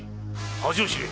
恥を知れ！